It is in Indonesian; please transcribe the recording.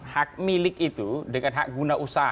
hak milik itu dengan hak guna usaha